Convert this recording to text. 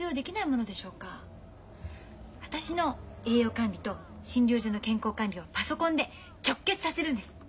私の栄養管理と診療所の健康管理をパソコンで直結させるんです。